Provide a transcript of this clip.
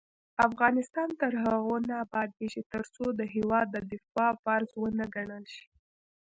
افغانستان تر هغو نه ابادیږي، ترڅو د هیواد دفاع فرض ونه ګڼل شي.